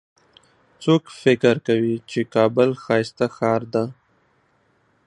څوک فکر کوي چې کابل ښایسته ښار ده